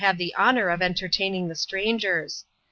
200 have the honour of entertaining the strangers.